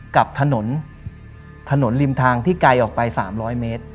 กับถนนถนนริมทางที่ไกลออกไป๓๐๐เมตร